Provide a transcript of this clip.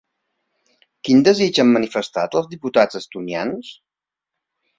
Quin desig han manifestat els diputats estonians?